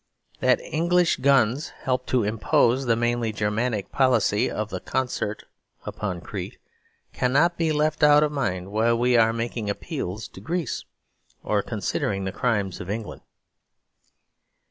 That English guns helped to impose the mainly Germanic policy of the Concert upon Crete, cannot be left out of mind while we are making appeals to Greece or considering the crimes of England.